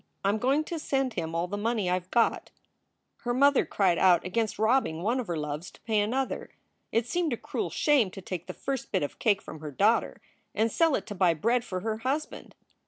I m going to send him all the money I ve got." Her mother cried out against robbing one of her loves to pay another. It seemed a cruel shame to take the first bit of cake from her daughter and sell it to buy bread for her husband.